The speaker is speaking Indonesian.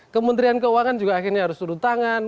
kementerian keuangan juga akhirnya harus turun tangan